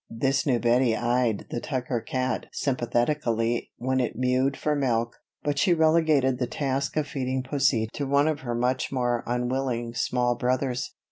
This new Bettie eyed the Tucker cat sympathetically when it mewed for milk; but she relegated the task of feeding pussy to one of her much more unwilling small brothers.